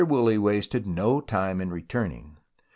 Woolley wasted no time in returning.